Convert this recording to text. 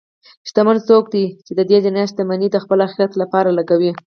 شتمن څوک دی چې د دنیا شتمني د خپل آخرت لپاره لګوي.